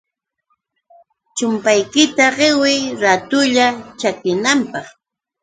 chumpaykita qiwiy raatulla chakinanpaq.